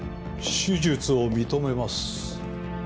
手術を認めます。